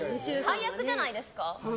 最悪じゃないですか？